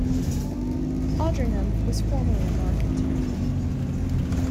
Aldringham was formerly a market town.